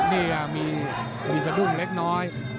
นี่มีสะดุ้งเล็กน้อย